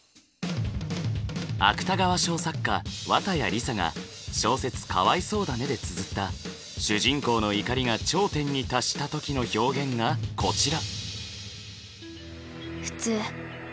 芥川賞作家綿矢りさが小説「かわいそうだね？」でつづった主人公の怒りが頂点に達した時の表現がこちら。